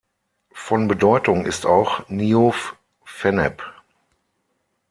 Von Bedeutung ist auch Nieuw-Vennep.